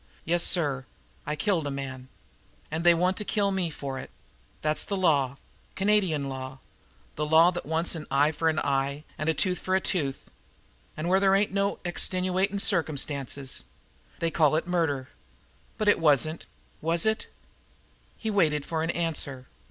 Yessir, I killed a man. An' they want to kill me for it. That's the law Canadian law the law that wants an eye for an eye and a tooth for a tooth, an' where there ain't no extenuatin' circumstance. They call it murder. But it wasn't was it?" He waited for an answer.